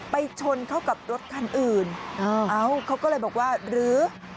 ไปชนเข้ากับรถคันอื่นเอ้าเขาก็เลยบอกว่าหรือ